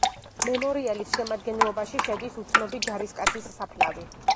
მემორიალის შემადგენლობაში შედის უცნობი ჯარისკაცის საფლავი.